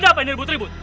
ada apa ini ibu tribut